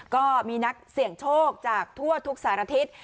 ก็มีนักเสี่ยงโชคจากทั่วทุกสารทิศ